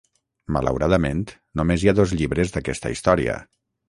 Malauradament, només hi ha dos llibres d'aquesta història.